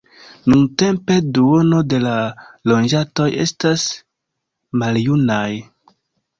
Nuntempe duono de la loĝantoj estas maljunaj.